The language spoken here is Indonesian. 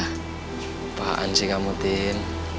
apaan sih kamu din